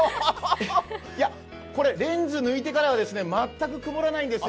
いや、これ、レンズ抜いてからは全く曇らないんです